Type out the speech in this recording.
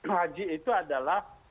haji itu adalah